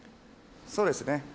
そうですね。